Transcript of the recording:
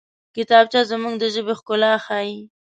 کتابچه زموږ د ژبې ښکلا ښيي